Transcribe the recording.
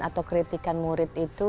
atau kritikan murid itu